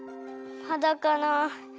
まだかな。